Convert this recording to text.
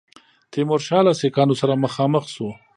تیمورشاه له سیکهانو سره مخامخ شو.